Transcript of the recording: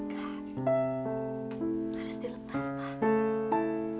kak harus dilepas kak